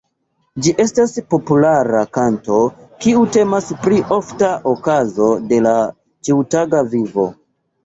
Ĝi estas populara kanto kiu temas pri ofta okazo de la ĉiutaga vivo.